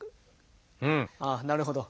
ああなるほど。